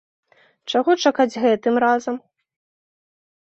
Чаго чакаць гэтым разам?